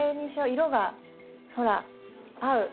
色がほら合う！